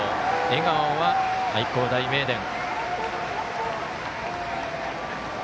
笑顔は愛工大名電。